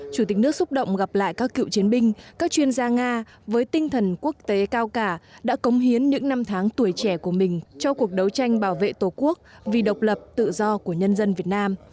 chủ tịch nước xúc động gặp lại các cựu chiến binh các chuyên gia nga với tinh thần quốc tế cao cả đã cống hiến những năm tháng tuổi trẻ của mình cho cuộc đấu tranh bảo vệ tổ quốc vì độc lập tự do của nhân dân việt nam